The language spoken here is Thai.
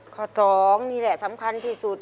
ข้อ๒นี่แหละสำคัญที่สุด